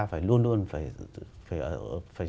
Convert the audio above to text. phải luôn luôn phải